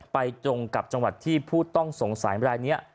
ไปตรงกับจังหวัดผู้ต้องสงสัยในรายตัวนี้